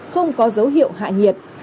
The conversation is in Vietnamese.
không có dấu hiệu hạ nhiệt